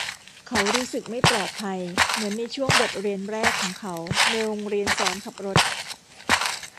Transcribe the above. เขารู้สึกไม่ปลอดภัยเหมือนในช่วงบทเรียนแรกของเขาในโรงเรียนสอนขับรถ